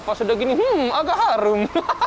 pas sudah gini hmm agak harum